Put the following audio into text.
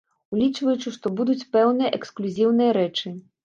Улічваючы, што будуць пэўныя эксклюзіўныя рэчы.